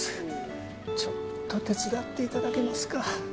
ちょっと手伝っていただけますか？